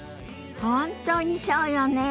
本当にそうよね。